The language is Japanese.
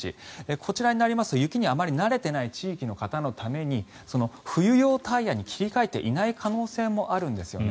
こちらになりますと雪にあまり慣れていない地域の方のために冬用タイヤに切り替えていない可能性もあるんですね。